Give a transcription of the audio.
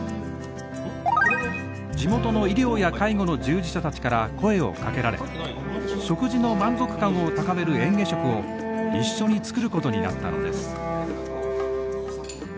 地元の医療や介護の従事者たちから声をかけられ食事の満足感を高めるえん下食を一緒に作ることになったのです。